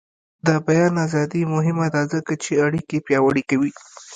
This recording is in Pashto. د بیان ازادي مهمه ده ځکه چې اړیکې پیاوړې کوي.